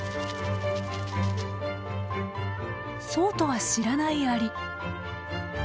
そうとは知らないアリ。